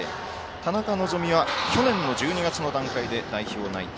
田中希実は去年の１２月の段階で代表内定。